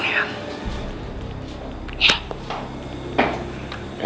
gue menang yan